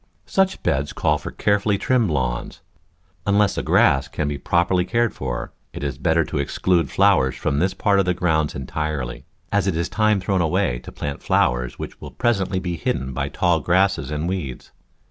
Such beds call for carefully trimmed lawns. Unless the grass can be properly cared for, it is better to exclude flowers from this part of the grounds entirely, as it is time Digitized by Google 6 The Flower Garden [Chapter thrown away to plant flowers which will presently be hidden by tall grass and weeds.